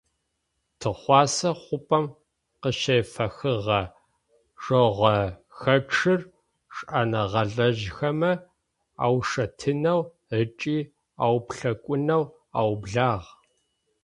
Тыгъуасэ хъупӏэм къыщефэхыгъэ жъогъохэчъыр шӏэныгъэлэжьхэмэ аушэтынэу ыкӏи ауплъэкӏунэу аублагъ.